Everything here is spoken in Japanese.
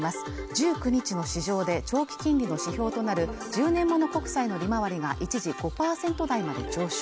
１９日の市場で長期金利の指標となる１０年物国債の利回りが一時５％台まで上昇